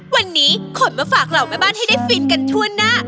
วันนี้ขนมาฝากเหล่าแม่บ้านให้ได้ฟินกันทั่วหน้า